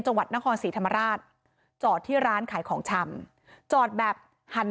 จังหวัดนครศรีธรรมราชจอดที่ร้านขายของชำจอดแบบหัน